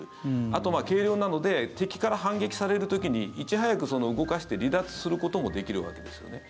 あと、軽量なので敵から反撃される時にいち早く動かして離脱することもできるわけですよね。